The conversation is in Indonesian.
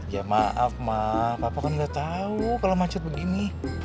ya maaf ma papa kan gak tau kalau macet begini